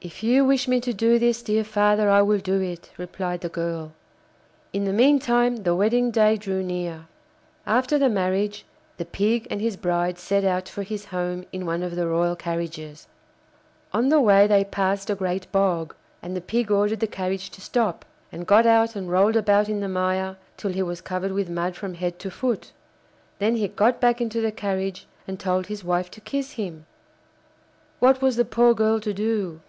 'If you wish me to do this, dear father, I will do it,' replied the girl. In the meantime the wedding day drew near. After the marriage, the Pig and his bride set out for his home in one of the royal carriages. On the way they passed a great bog, and the Pig ordered the carriage to stop, and got out and rolled about in the mire till he was covered with mud from head to foot; then he got back into the carriage and told his wife to kiss him. What was the poor girl to do?